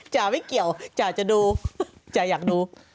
จ๋าไม่เกี่ยวจ๋าจะดูจ่าอยากดู